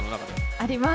あります。